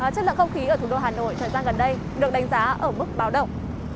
chất lượng không khí ở thủ đô hà nội thời gian gần đây được đánh giá ở mức báo động